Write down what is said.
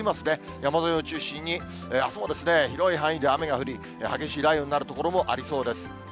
山沿いを中心に、あすも広い範囲で雨が降り、激しい雷雨になる所もありそうです。